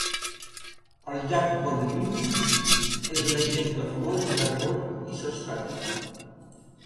El Llac Bonneville és un exemple famós de rebot isostàtic.